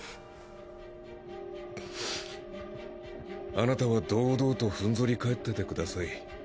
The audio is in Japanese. あなたは堂々とふんぞり返っててください。